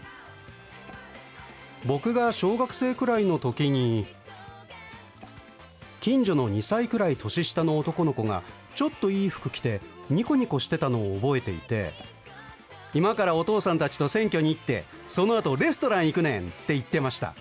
僕が小学生くらいのときに、近所の２歳くらい年下の男の子がちょっといい服着て、にこにこしてたのを覚えていて、今からお父さんたちと選挙に行って、そのあとレストラン行くねんって言ってました。